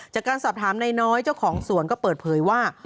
จากการสอบถามนายน้อยเจ้าของสวนก็เปิดเผยว่า